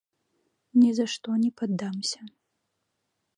Ні за што не паддамся!